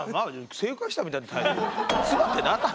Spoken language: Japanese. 正解したみたいな態度。